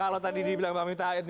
kalau tadi dibilang pak mita